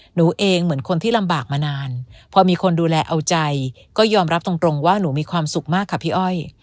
หนูเองเหมือนคนที่ลำบากมานานพอมีคนดูแลเอาใจก็ยอมรับตรงว่าหนูมีความสุขมากค่ะพี่อ้อย